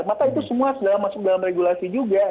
maka itu semua sudah masuk dalam regulasi juga